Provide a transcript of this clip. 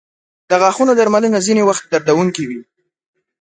د غاښونو درملنه ځینې وختونه دردونکې وي.